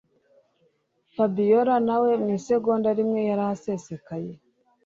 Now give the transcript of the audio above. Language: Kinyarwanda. Fabiora nawe mwisegonda rimwe yarahasesekaye